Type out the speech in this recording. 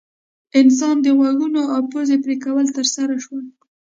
انسان د غوږونو او پزې پرې کول ترسره شول.